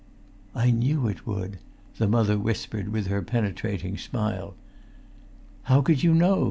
"I knew it would," the Mother whispered with her penetrating smile. "How could you know?"